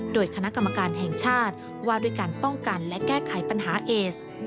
โดยคณะกรรมการแห่งชาติว่าด้วยการป้องกันและแก้ไขปัญหาเอส